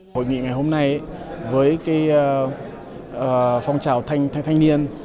hội nghị ngày hôm nay với phong trào thanh niên